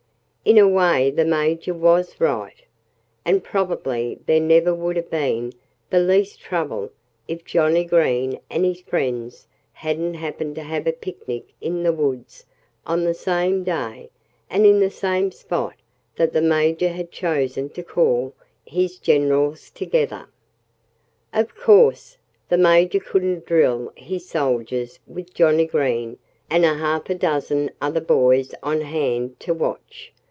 In a way the Major was right. And probably there never would have been the least trouble if Johnnie Green and his friends hadn't happened to have a picnic in the woods on the same day and in the same spot that the Major had chosen to call his generals together. [Illustration: "You're a Sneak Thief!" Jasper Jay said.] Of course, the Major couldn't drill his soldiers with Johnnie Green and a half dozen other boys on hand to watch.